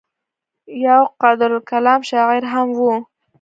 يو قادرالکلام شاعر هم وو